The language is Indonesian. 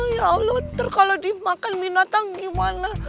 ya allah kalau dimakan binatang gimana